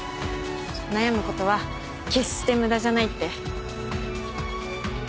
悩む事は決して無駄じゃないって。